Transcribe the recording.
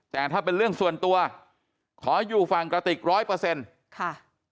แต่ถ้าเป็นเรื่องส่วนตัวขออยู่ฝั่งกระติกร้อยเปอร์เซ็นต์ค่ะ